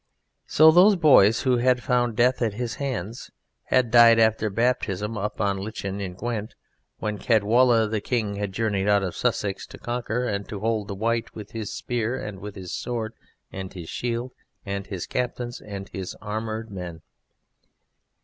So those boys who had found death at his hands had died after baptism, up on Itchen in the Gwent, when Caedwalla the King had journeyed out of Sussex to conquer and to hold the Wight with his spear and his sword and his shield, and his captains and his armoured men.